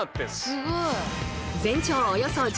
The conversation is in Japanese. すごい。